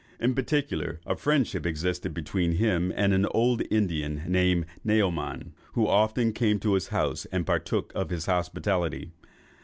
In particular, a friendship existed between him and an old Indian, called Naoman, who often came to his house and partook of his hospitality.